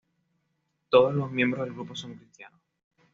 Todos los miembros del grupo son cristianos.